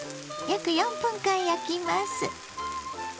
約４分間焼きます。